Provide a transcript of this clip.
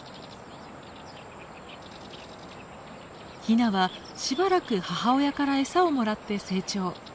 ヒナはしばらく母親から餌をもらって成長。